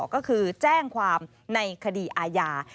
ก็คือแจ้งความในคดีอาญา